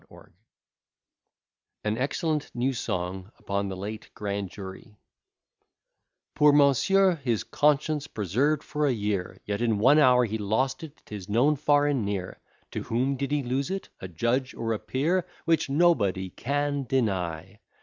B._] AN EXCELLENT NEW SONG UPON THE LATE GRAND JURY Poor Monsieur his conscience preserved for a year, Yet in one hour he lost it, 'tis known far and near; To whom did he lose it? A judge or a peer. Which nobody can deny.